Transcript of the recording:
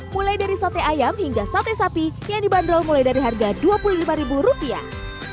mulai dari sate ayam hingga sate sapi yang dibanderol mulai dari harga dua puluh lima ribu rupiah